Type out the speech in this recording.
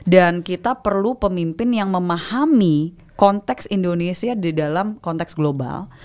dan kita perlu pemimpin yang memahami konteks indonesia di dalam konteks global